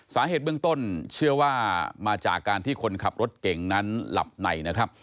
สาเหตุเบื้องต้นเชื่อว่ามาจากการที่คนขับรถเก่งนั้นหลับในนะครับ